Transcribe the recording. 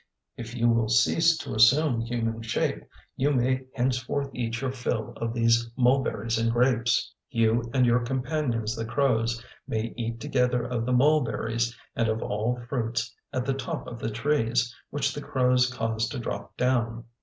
If you will cease to assume human shape, you may henceforth eat your fill of these mulberries and grapes. You and your companions the crows may eat together of the mulberries and of all fruits at the top of the trees, which the crows cause to drop down.